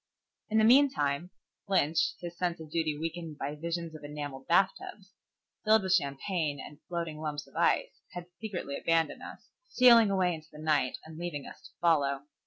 In the meantime, Lynch, his sense of duty weakened by visions of enamelled bathtubs filled with champagne and floating lumps of ice, had secretly abandoned us, stealing away in the night and leaving us to follow.